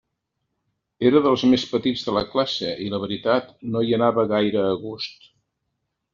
Era dels més petits de la classe i, la veritat, no hi anava gaire a gust.